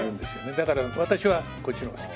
だから私はこっちの方が好き。